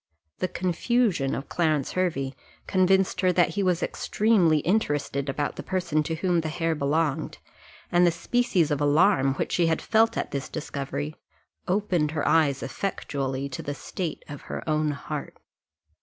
The confusion of Clarence Hervey convinced her that he was extremely interested about the person to whom the hair belonged, and the species of alarm which she had felt at this discovery opened her eyes effectually to the state of her own heart.